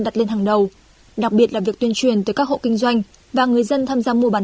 đặt lên hàng đầu đặc biệt là việc tuyên truyền tới các hộ kinh doanh và người dân tham gia mua bán